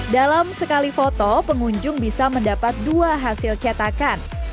dalam sekali foto pengunjung bisa mendapat dua hasil cetakan